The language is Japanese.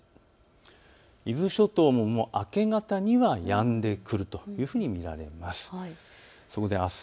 伊豆諸島も明け方にはやんでくるというふうに見られます。